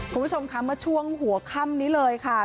คุณผู้ชมค่ะเมื่อช่วงหัวค่ำนี้เลยค่ะ